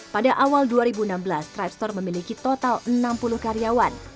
pada awal dua ribu enam belas trip store memiliki total enam puluh karyawan